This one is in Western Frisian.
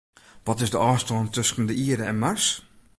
Wat is de ôfstân tusken de Ierde en Mars?